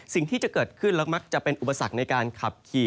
สิ่งที่จะเกิดขึ้นและมักจะเป็นอุปสรรคในการขับขี่